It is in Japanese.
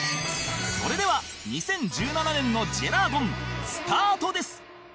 それでは２０１７年のジェラードンスタートです